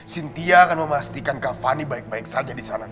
cynthia akan memastikan kak fanny baik baik saja disana